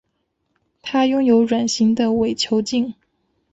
它拥有卵形的伪球茎。